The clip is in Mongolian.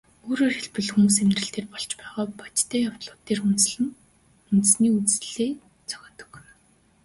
Өөрөөр хэлбэл, хүмүүс амьдрал дээр болж байгаа бодтой явдлууд дээр үндэслэн үндэсний үзлээ зохиодог.